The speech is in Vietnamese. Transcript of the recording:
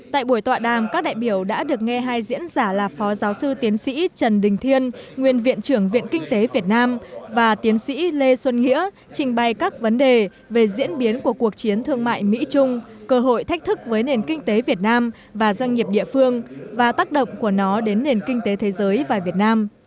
tại buổi tọa đàm các đại biểu đã được nghe hai diễn giả là phó giáo sư tiến sĩ trần đình thiên nguyên viện trưởng viện kinh tế việt nam và tiến sĩ lê xuân nghĩa trình bày các vấn đề về diễn biến của cuộc chiến thương mại mỹ trung cơ hội thách thức với nền kinh tế việt nam và doanh nghiệp địa phương và tác động của nó đến nền kinh tế thế giới và việt nam